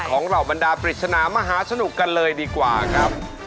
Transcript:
เหล่าบรรดาปริศนามหาสนุกกันเลยดีกว่าครับ